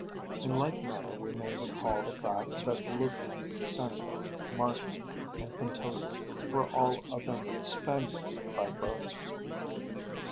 In like manner we may recall the fact that Lucan, Seneca, Martial, and Quintilian were all of them Spaniards by birth.